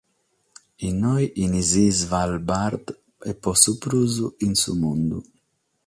Inoghe in sas Isvalbard e pro su prus in su mundu.